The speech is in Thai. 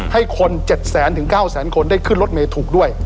ให้คน๗๐๐๙๐๐คนได้ขึ้นรถเมฆถูกด้วย